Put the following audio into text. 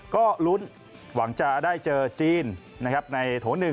ก็หวังจะได้เจอจีนโถ๑